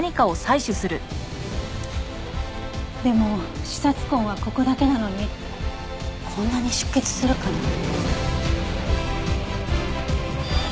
でも刺殺痕はここだけなのにこんなに出血するかな。